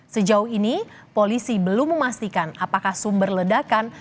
sejauh ini polisi belum memastikan apakah sumber ledakan